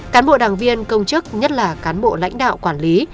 cán bộ đảng viên công chức nhất là cán bộ lãnh đạo quản lý